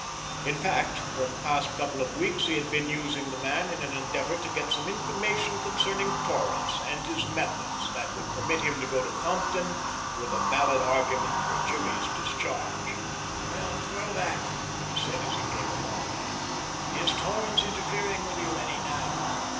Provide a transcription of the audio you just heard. In fact, for the past couple of weeks he had been using the man in an endeavor to get some information concerning Torrance and his methods that would permit him to go to Compton with a valid argument for Jimmy's discharge. "Well, Krovac," he said as he came upon the man, "is Torrance interfering with you any now?"